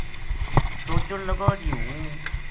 سوچن لگو جی ہوں